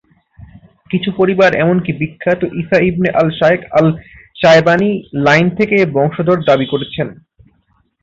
কিছু পরিবার এমনকি বিখ্যাত ঈসা ইবনে আল শায়খ আল-শায়বানী লাইন থেকে বংশধর দাবি করছেন।